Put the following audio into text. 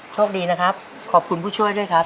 โชคดีนะครับขอบคุณผู้ช่วยด้วยครับ